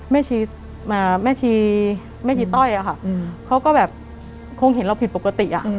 แม่ชีแม่ชีต้อยอะค่ะเขาก็แบบคงเห็นเราผิดปกติ